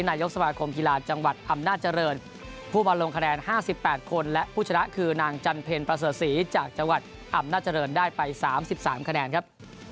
นายกสมาคมกีฬาจังหวัดอำนาจรรย์ผู้มาลงคะแนนห้าสิบแปดคนและผู้ชนะคือนางจันเพลประเสศศรีจากจังหวัดอำนาจรรย์ได้ไปสามสิบสามคะแนนครับ